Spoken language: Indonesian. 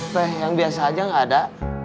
teh yang biasa aja nggak ada